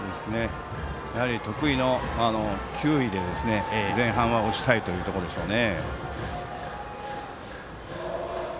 得意の球威で前半は押したいというところでしょうね。